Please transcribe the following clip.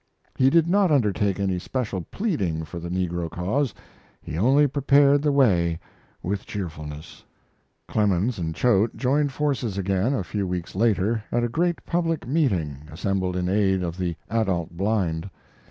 He did not undertake any special pleading for the negro cause; he only prepared the way with cheerfulness. Clemens and Choate joined forces again, a few weeks later, at a great public meeting assembled in aid of the adult blind.